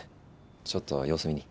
ちょっと様子見に。